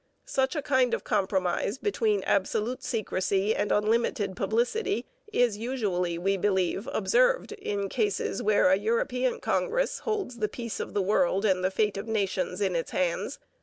Such a kind of compromise between absolute secrecy and unlimited publicity is usually, we believe, observed in cases where an European congress holds the peace of the world and the fate of nations in its hands.